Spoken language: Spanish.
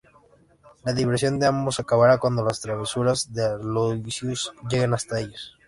La diversión de ambos acabará cuando las travesuras de Aloysius lleguen hasta ellos.